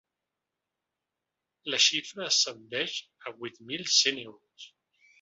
La xifra ascendeix a vuit mil cent euros.